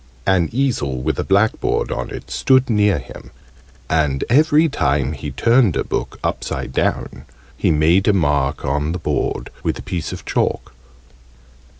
An easel, with a black board on it, stood near him: and, every time that he turned a book upside down, he made a mark on the board with a piece of chalk.